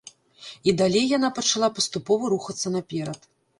І далей яна пачала паступова рухацца наперад.